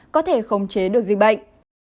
có thể khống chế được dịch bệnh